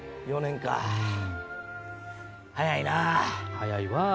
早いわぁ。